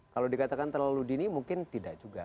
kalau dikatakan terlalu dini mungkin tidak juga